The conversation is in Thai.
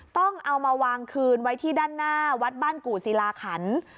ต้องเอามาวางคืนไว้ที่ด้านหน้าวัดบ้านกู่ศิลาขัน